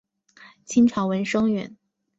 清朝文生员。